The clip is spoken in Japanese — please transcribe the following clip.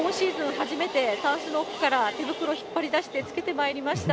初めてたんすの奥から手袋引っ張り出して、つけてまいりました。